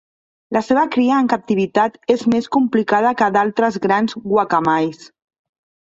La seva cria en captivitat és més complicada que la d'altres grans guacamais.